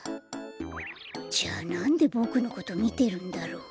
じゃあなんでボクのことみてるんだろう？